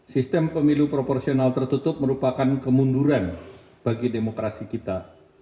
sistem pemilu proporsional tertutup merupakan kemunduran bagi demokrasi kita